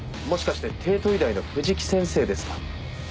もしかして帝都医大の藤木先生ですか？